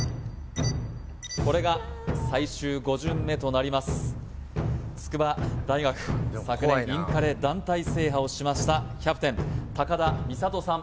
これが最終５巡目となります筑波大学昨年インカレ団体制覇をしましたキャプテン高田実怜さん